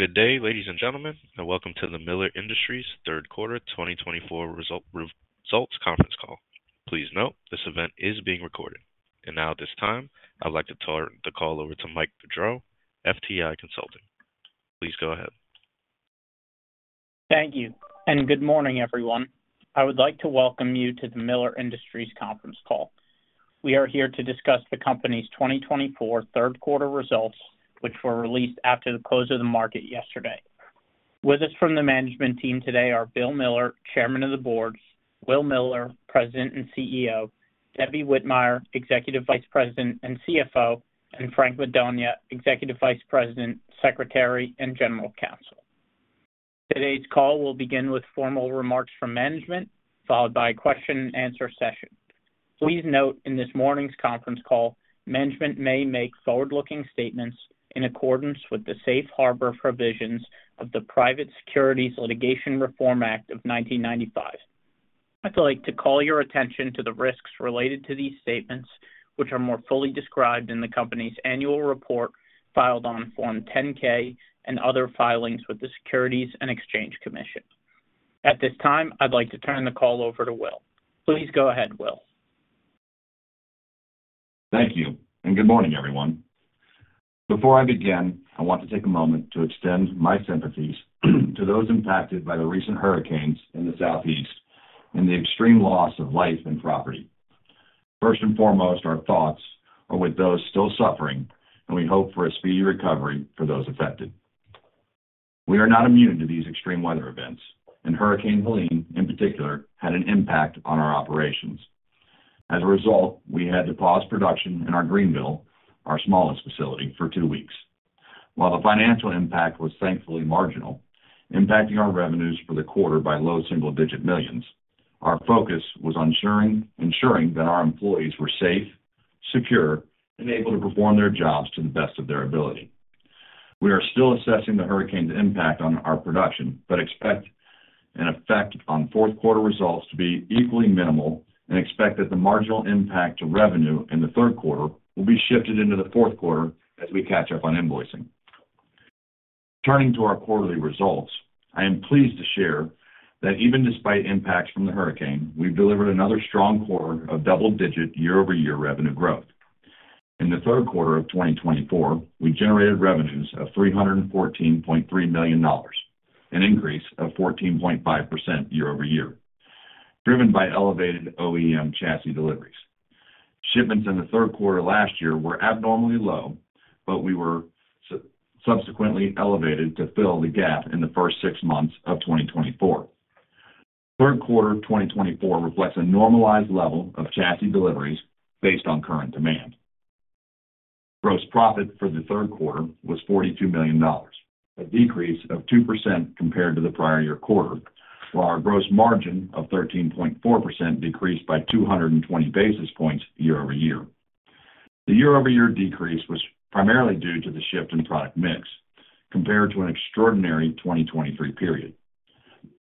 Good day, ladies and gentlemen, and welcome to the Miller Industries Third Quarter 2024 Results Conference Call. Please note, this event is being recorded. And now, at this time, I'd like to turn the call over to Mike Bedell, FTI Consulting. Please go ahead. Thank you, and good morning, everyone. I would like to welcome you to the Miller Industries Conference Call. We are here to discuss the company's 2024 third quarter results, which were released after the close of the market yesterday. With us from the management team today are Will Miller, Chairman of the Board; Will Miller, President and CEO; Debbie Whitmire, Executive Vice President and CFO; and Frank Madonia, Executive Vice President, Secretary, and General Counsel. Today's call will begin with formal remarks from management, followed by a question-and-answer session. Please note, in this morning's conference call, management may make forward-looking statements in accordance with the safe harbor provisions of the Private Securities Litigation Reform Act of 1995. I'd like to call your attention to the risks related to these statements, which are more fully described in the company's annual report filed on Form 10-K and other filings with the Securities and Exchange Commission. At this time, I'd like to turn the call over to Will. Please go ahead, Will. Thank you, and good morning, everyone. Before I begin, I want to take a moment to extend my sympathies to those impacted by the recent hurricanes in the Southeast and the extreme loss of life and property. First and foremost, our thoughts are with those still suffering, and we hope for a speedy recovery for those affected. We are not immune to these extreme weather events, and Hurricane Helene, in particular, had an impact on our operations. As a result, we had to pause production in our Greeneville, our smallest facility, for two weeks. While the financial impact was thankfully marginal, impacting our revenues for the quarter by low single-digit millions, our focus was ensuring that our employees were safe, secure, and able to perform their jobs to the best of their ability. We are still assessing the hurricane's impact on our production, but expect an effect on fourth quarter results to be equally minimal and expect that the marginal impact to revenue in the third quarter will be shifted into the fourth quarter as we catch up on invoicing. Turning to our quarterly results, I am pleased to share that even despite impacts from the hurricane, we've delivered another strong quarter of double-digit year-over-year revenue growth. In the third quarter of 2024, we generated revenues of $314.3 million, an increase of 14.5% year-over-year, driven by elevated OEM chassis deliveries. Shipments in the third quarter last year were abnormally low, but we were subsequently elevated to fill the gap in the first six months of 2024. Third quarter 2024 reflects a normalized level of chassis deliveries based on current demand. Gross profit for the third quarter was $42 million, a decrease of 2% compared to the prior year quarter, while our gross margin of 13.4% decreased by 220 basis points year-over-year. The year-over-year decrease was primarily due to the shift in product mix, compared to an extraordinary 2023 period.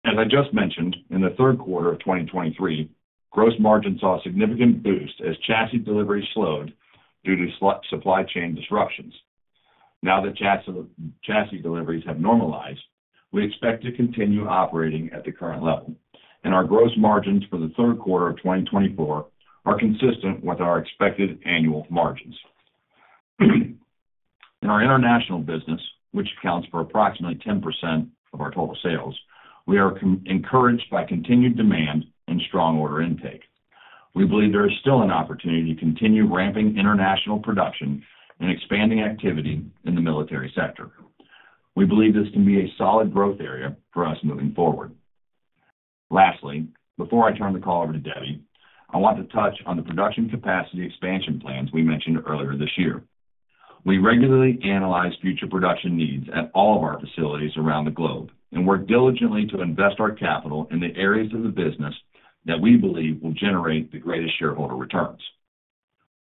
As I just mentioned, in the third quarter of 2023, gross margin saw a significant boost as chassis deliveries slowed due to supply chain disruptions. Now that chassis deliveries have normalized, we expect to continue operating at the current level, and our gross margins for the third quarter of 2024 are consistent with our expected annual margins. In our international business, which accounts for approximately 10% of our total sales, we are encouraged by continued demand and strong order intake. We believe there is still an opportunity to continue ramping international production and expanding activity in the military sector. We believe this can be a solid growth area for us moving forward. Lastly, before I turn the call over to Debbie, I want to touch on the production capacity expansion plans we mentioned earlier this year. We regularly analyze future production needs at all of our facilities around the globe and work diligently to invest our capital in the areas of the business that we believe will generate the greatest shareholder returns.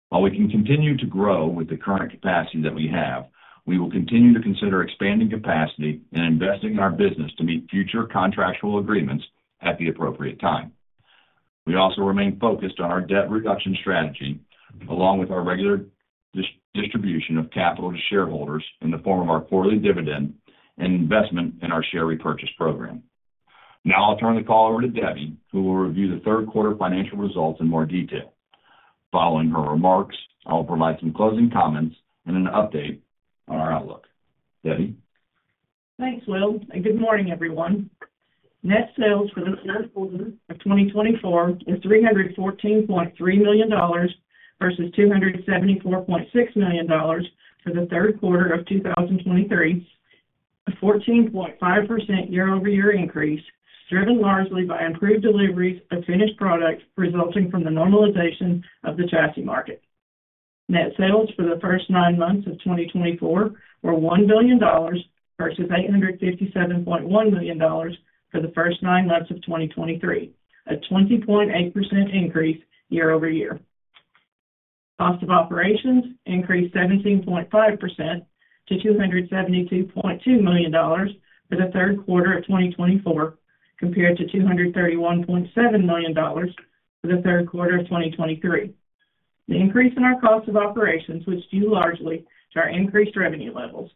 While we can continue to grow with the current capacity that we have, we will continue to consider expanding capacity and investing in our business to meet future contractual agreements at the appropriate time. We also remain focused on our debt reduction strategy, along with our regular distribution of capital to shareholders in the form of our quarterly dividend and investment in our share repurchase program. Now, I'll turn the call over to Debbie, who will review the third quarter financial results in more detail. Following her remarks, I will provide some closing comments and an update on our outlook. Debbie? Thanks, Will. Good morning, everyone. Net sales for the fourth quarter of 2024 is $314.3 million versus $274.6 million for the fourth quarter of 2023, a 14.5% year-over-year increase driven largely by improved deliveries of finished product resulting from the normalization of the chassis market. Net sales for the first nine months of 2024 were $1 billion versus $857.1 million for the first nine months of 2023, a 20.8% increase year-over-year. Cost of operations increased 17.5% to $272.2 million for the fourth quarter of 2024, compared to $231.7 million for the fourth quarter of 2023. The increase in our cost of operations was due largely to our increased revenue levels.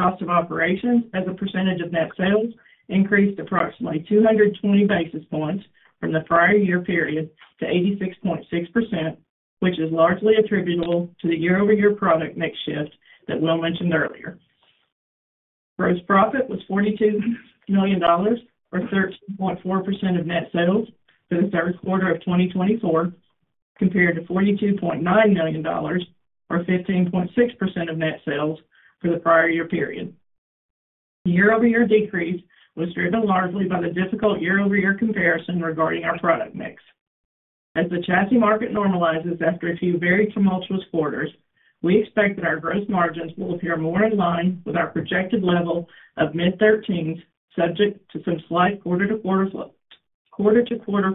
Cost of operations, as a percentage of net sales, increased approximately 220 basis points from the prior year period to 86.6%, which is largely attributable to the year-over-year product mix shift that Will mentioned earlier. Gross profit was $42 million, or 13.4% of net sales, for the third quarter of 2024, compared to $42.9 million, or 15.6% of net sales, for the prior year period. The year-over-year decrease was driven largely by the difficult year-over-year comparison regarding our product mix. As the chassis market normalizes after a few very tumultuous quarters, we expect that our gross margins will appear more in line with our projected level of mid-13s, subject to some slight quarter-to-quarter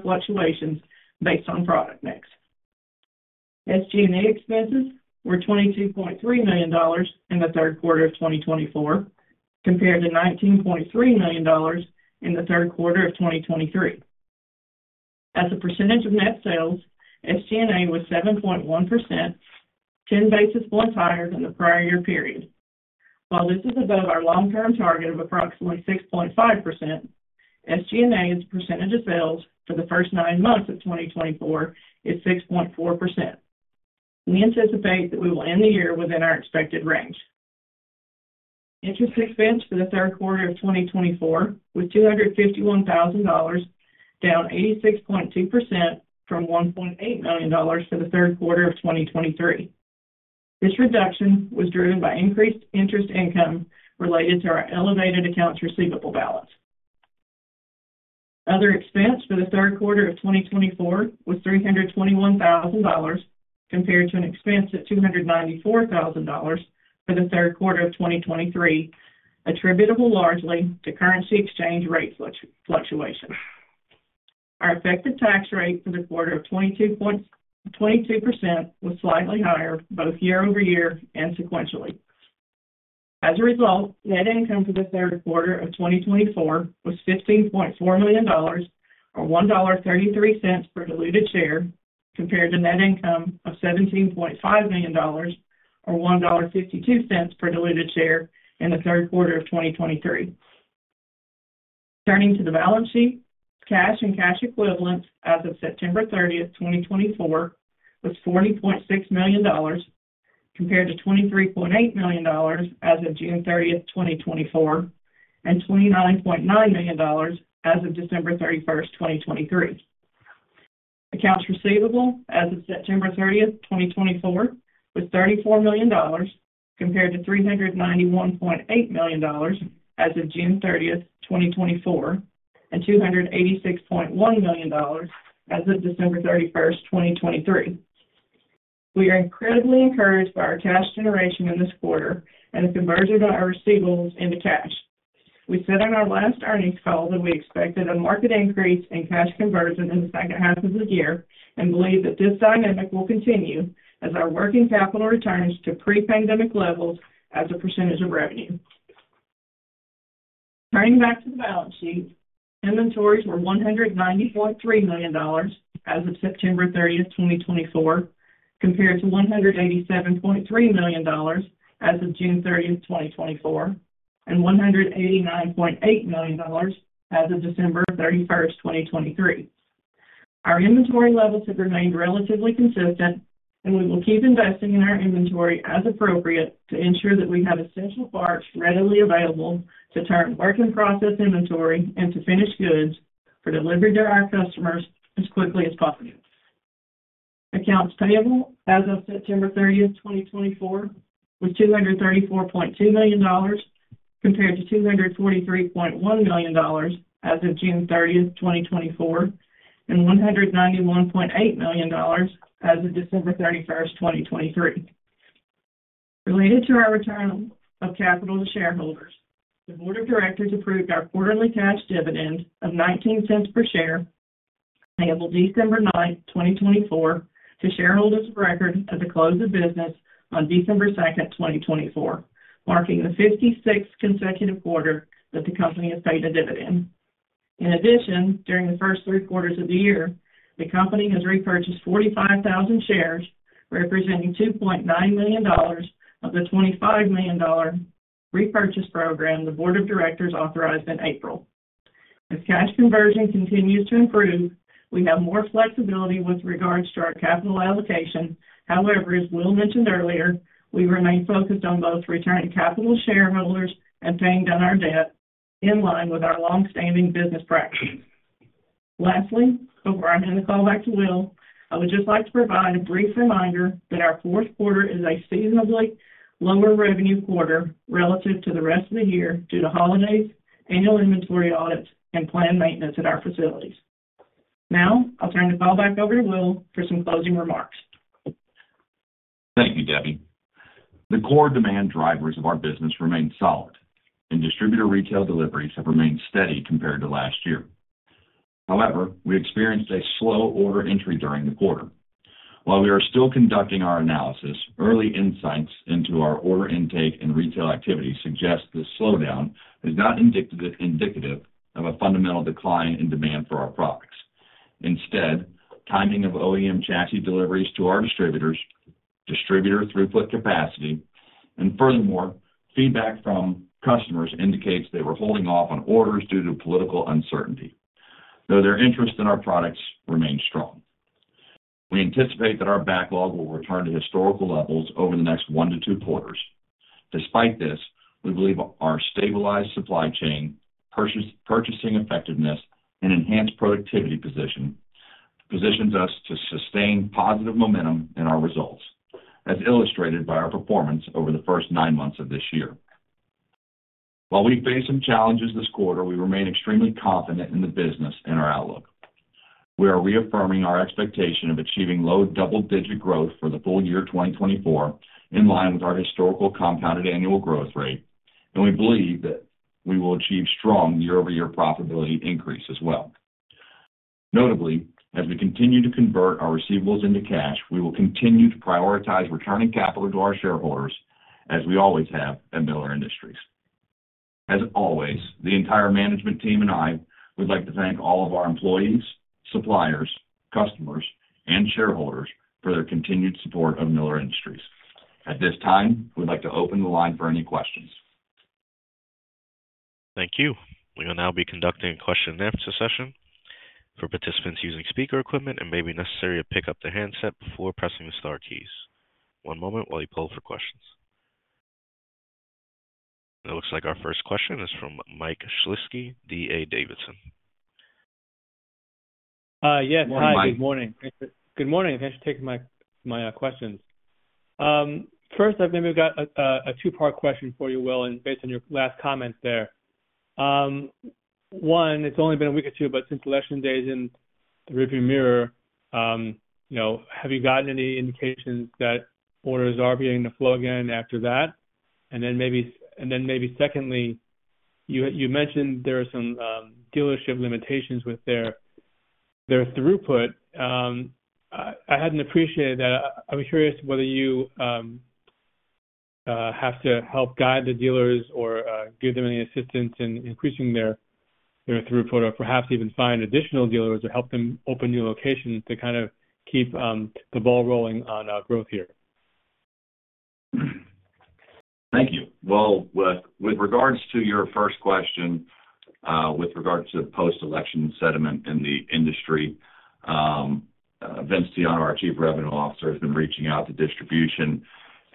fluctuations based on product mix. SG&A expenses were $22.3 million in the third quarter of 2024, compared to $19.3 million in the third quarter of 2023. As a percentage of net sales, SG&A was 7.1%, 10 basis points higher than the prior year period. While this is above our long-term target of approximately 6.5%, SG&A's percentage of sales for the first nine months of 2024 is 6.4%. We anticipate that we will end the year within our expected range. Interest expense for the third quarter of 2024 was $251,000, down 86.2% from $1.8 million for the third quarter of 2023. This reduction was driven by increased interest income related to our elevated accounts receivable balance. Other expense for the third quarter of 2024 was $321,000, compared to an expense of $294,000 for the third quarter of 2023, attributable largely to currency exchange rate fluctuations. Our effective tax rate for the quarter of 22% was slightly higher, both year-over-year and sequentially. As a result, net income for the third quarter of 2024 was $15.4 million, or $1.33 per diluted share, compared to net income of $17.5 million, or $1.52 per diluted share in the third quarter of 2023. Turning to the balance sheet, cash and cash equivalents as of September 30th, 2024, was $40.6 million, compared to $23.8 million as of June 30th, 2024, and $29.9 million as of December 31st, 2023. Accounts receivable as of September 30th, 2024, was $34 million, compared to $391.8 million as of June 30th, 2024, and $286.1 million as of December 31st, 2023. We are incredibly encouraged by our cash generation in this quarter and the conversion of our receivables into cash. We said on our last earnings call that we expected a market increase in cash conversion in the second half of the year and believe that this dynamic will continue as our working capital returns to pre-pandemic levels as a percentage of revenue. Turning back to the balance sheet, inventories were $190.3 million as of September 30th, 2024, compared to $187.3 million as of June 30th, 2024, and $189.8 million as of December 31st, 2023. Our inventory levels have remained relatively consistent, and we will keep investing in our inventory as appropriate to ensure that we have essential parts readily available to turn work-in-process inventory into finished goods for delivery to our customers as quickly as possible. Accounts payable as of September 30th, 2024, was $234.2 million, compared to $243.1 million as of June 30th, 2024, and $191.8 million as of December 31st, 2023. Related to our return of capital to shareholders, the Board of Directors approved our quarterly cash dividend of $0.19 per share, payable December 9th, 2024, to shareholders of record at the close of business on December 2nd, 2024, marking the 56th consecutive quarter that the company has paid a dividend. In addition, during the first three quarters of the year, the company has repurchased 45,000 shares, representing $2.9 million of the $25 million repurchase program the Board of Directors authorized in April. As cash conversion continues to improve, we have more flexibility with regards to our capital allocation. However, as Will mentioned earlier, we remain focused on both returning capital to shareholders and paying down our debt in line with our long-standing business practices. Lastly, before I hand the call back to Will, I would just like to provide a brief reminder that our fourth quarter is a seasonally lower revenue quarter relative to the rest of the year due to holidays, annual inventory audits, and planned maintenance at our facilities. Now, I'll turn the call back over to Will for some closing remarks. Thank you, Debbie. The core demand drivers of our business remain solid, and distributor retail deliveries have remained steady compared to last year. However, we experienced a slow order entry during the quarter. While we are still conducting our analysis, early insights into our order intake and retail activity suggest this slowdown is not indicative of a fundamental decline in demand for our products. Instead, timing of OEM chassis deliveries to our distributors, distributor throughput capacity, and furthermore, feedback from customers indicates they were holding off on orders due to political uncertainty, though their interest in our products remains strong. We anticipate that our backlog will return to historical levels over the next one to two quarters. Despite this, we believe our stabilized supply chain, purchasing effectiveness, and enhanced productivity positions us to sustain positive momentum in our results, as illustrated by our performance over the first nine months of this year. While we face some challenges this quarter, we remain extremely confident in the business and our outlook. We are reaffirming our expectation of achieving low double-digit growth for the full year 2024 in line with our historical compounded annual growth rate, and we believe that we will achieve strong year-over-year profitability increase as well. Notably, as we continue to convert our receivables into cash, we will continue to prioritize returning capital to our shareholders, as we always have at Miller Industries. As always, the entire management team and I would like to thank all of our employees, suppliers, customers, and shareholders for their continued support of Miller Industries. At this time, we'd like to open the line for any questions. Thank you. We will now be conducting a question-and-answer session. For participants using speaker equipment, it may be necessary to pick up their handset before pressing the star keys. One moment while you poll for questions. It looks like our first question is from Mike Shlisky, D.A. Davidson. Yes. Hi. Good morning. Good morning. Thanks for taking my questions. First, I've maybe got a two-part question for you, Will, and based on your last comment there. One, it's only been a week or two, but since election days in the rearview mirror, have you gotten any indications that orders are beginning to flow again after that? And then maybe secondly, you mentioned there are some dealership limitations with their throughput. I hadn't appreciated that. I'm curious whether you have to help guide the dealers or give them any assistance in increasing their throughput or perhaps even find additional dealers or help them open new locations to kind of keep the ball rolling on our growth here. Thank you, Will, with regards to your first question, with regards to post-election sentiment in the industry, Vince Tiano, our Chief Revenue Officer, has been reaching out to distribution,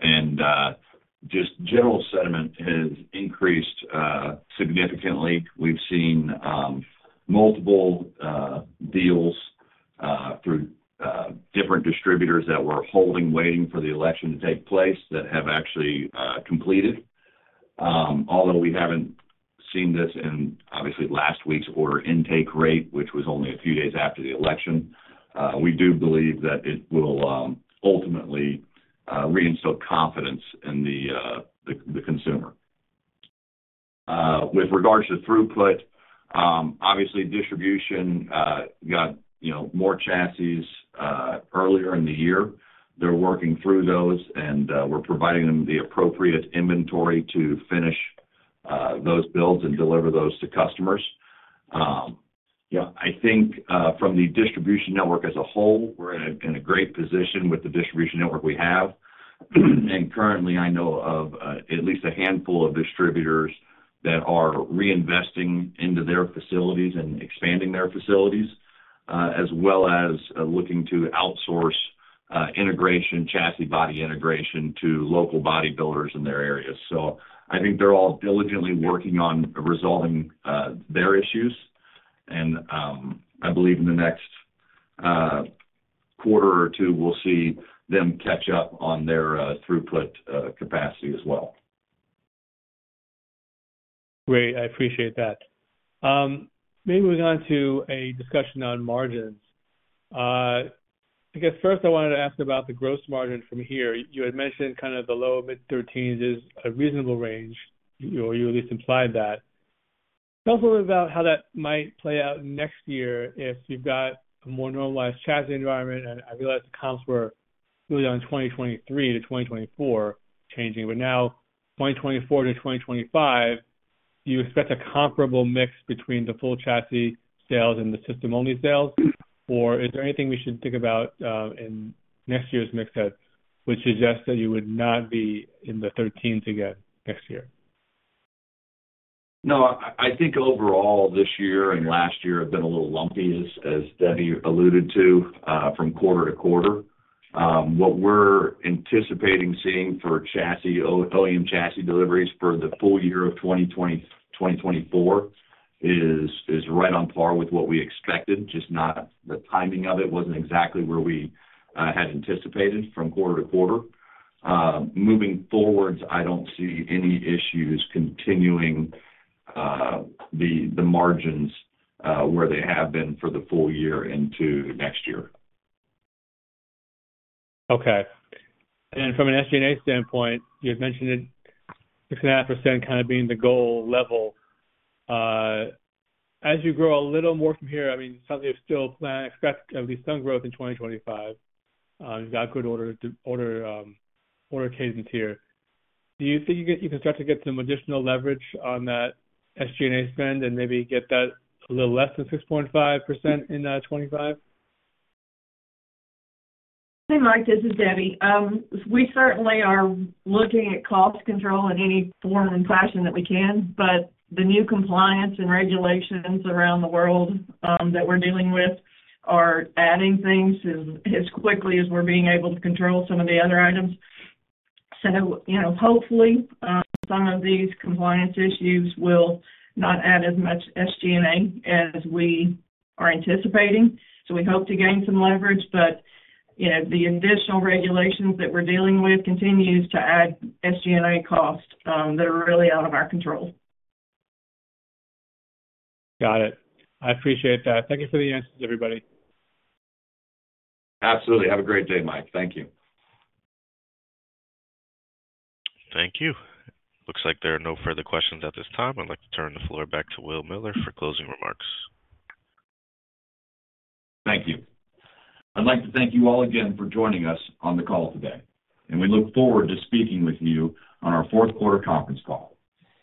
and just general sentiment has increased significantly. We've seen multiple deals through different distributors that were holding, waiting for the election to take place that have actually completed. Although we haven't seen this in obviously last week's order intake rate, which was only a few days after the election, we do believe that it will ultimately reinstill confidence in the consumer. With regards to throughput, obviously, distribution got more chassis earlier in the year. They're working through those, and we're providing them the appropriate inventory to finish those builds and deliver those to customers. I think from the distribution network as a whole, we're in a great position with the distribution network we have. And currently, I know of at least a handful of distributors that are reinvesting into their facilities and expanding their facilities, as well as looking to outsource integration, chassis body integration to local body builders in their areas. So I think they're all diligently working on resolving their issues. And I believe in the next quarter or two, we'll see them catch up on their throughput capacity as well. Great. I appreciate that. Maybe moving on to a discussion on margins. I guess first, I wanted to ask about the gross margin from here. You had mentioned kind of the low mid-13s is a reasonable range, or you at least implied that. Tell us a little bit about how that might play out next year if you've got a more normalized chassis environment. And I realize the comps were really on 2023 to 2024 changing, but now 2024 to 2025, do you expect a comparable mix between the full chassis sales and the system-only sales, or is there anything we should think about in next year's mix that would suggest that you would not be in the 13s again next year? No, I think overall this year and last year have been a little lumpy, as Debbie alluded to, from quarter to quarter. What we're anticipating seeing for chassis, OEM chassis deliveries for the full year of 2024 is right on par with what we expected, just not the timing of it wasn't exactly where we had anticipated from quarter to quarter. Moving forward, I don't see any issues continuing the margins where they have been for the full year into next year. Okay. And from an SG&A standpoint, you had mentioned 6.5% kind of being the goal level. As you grow a little more from here, I mean, something you still plan, expect at least some growth in 2025. You've got good order cadence here. Do you think you can start to get some additional leverage on that SG&A spend and maybe get that a little less than 6.5% in 2025? Hey, Mike. This is Debbie. We certainly are looking at cost control in any form and fashion that we can, but the new compliance and regulations around the world that we're dealing with are adding things as quickly as we're being able to control some of the other items. So hopefully, some of these compliance issues will not add as much SG&A as we are anticipating. So we hope to gain some leverage, but the additional regulations that we're dealing with continue to add SG&A costs that are really out of our control. Got it. I appreciate that. Thank you for the answers, everybody. Absolutely. Have a great day, Mike. Thank you. Thank you. Looks like there are no further questions at this time. I'd like to turn the floor back to Will Miller for closing remarks. Thank you. I'd like to thank you all again for joining us on the call today, and we look forward to speaking with you on our fourth quarter conference call.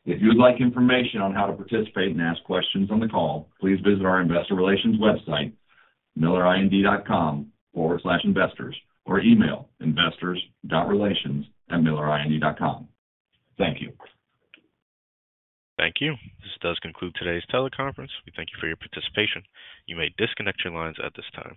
If you would like information on how to participate and ask questions on the call, please visit our investor relations website, millerind.com/investors, or email investors.relations@millerind.com. Thank you. Thank you. This does conclude today's teleconference. We thank you for your participation. You may disconnect your lines at this time.